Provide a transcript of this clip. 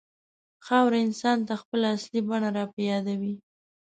خاوره انسان ته خپله اصلي بڼه راپه یادوي.